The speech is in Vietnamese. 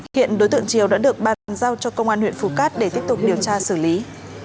hiện đối tượng triều đã được bàn giao cho công an huyện phù cát để tiếp tục điều tra xử lý